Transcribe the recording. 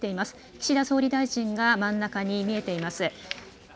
岸田総理大臣が真ん中に見えています。